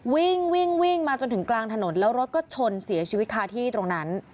วิ่งวิ่งมาจนถึงกลางถนนแล้วรถก็ชนเสียชีวิตคาที่ตรงนั้น